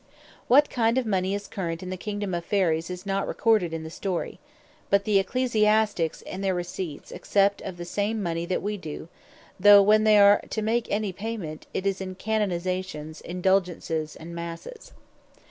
What kind of Money is currant in the Kingdome of Fairies, is not recorded in the Story. But the Ecclesiastiques in their Receipts accept of the same Money that we doe; though when they are to make any Payment, it is in Canonizations, Indulgences, and Masses.